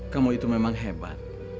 kamu itu memang hebat